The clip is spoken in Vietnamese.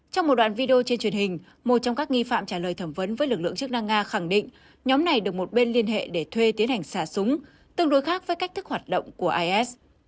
trong một đoạn video trên truyền hình một trong các nghi phạm trả lời thẩm vấn với lực lượng chức năng nga khẳng định nhóm này được một bên liên hệ để thuê tiến hành xả súng tương đối khác với cách thức hoạt động của is